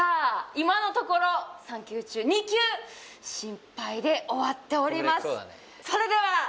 今のところ３球中２球失敗で終わっております